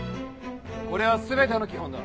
これは全ての基本だ。